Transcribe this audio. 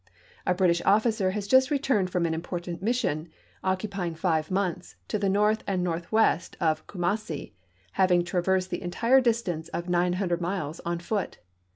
— A British officer has just returned from an important mission, occupy ing five months, to the north and northwest of Kumassi, having traversed the entire distance of 900 miles on foot.